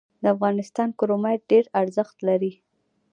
د افغانستان کرومایټ ډیر ارزښت لري